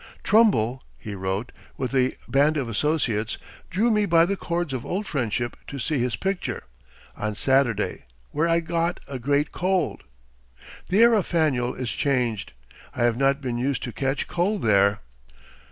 "Trumbull," he wrote, "with a band of associates, drew me by the cords of old friendship to see his picture, on Saturday, where I got a great cold. The air of Faneuil is changed. _I have not been used to catch cold there.